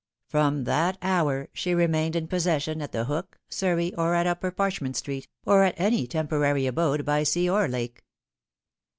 From that hour she remained in possession at The Hook, Surrey, or at Upper Parchment Street, or at any temporary abode by sea or lake.